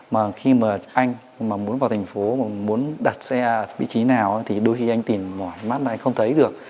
mà khi mà anh mà muốn vào thành phố mà muốn đặt xe vị trí nào thì đôi khi anh tìm mỏi mắt là anh không thấy được